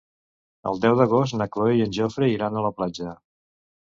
El deu d'agost na Cloè i en Jofre iran a la platja.